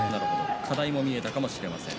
課題も見えたかもしれません。